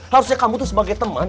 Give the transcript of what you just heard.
harusnya kamu tuh sebagai teman